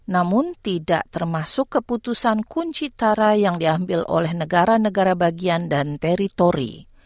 namun tidak termasuk keputusan kunci cara yang diambil oleh negara negara bagian dan teritori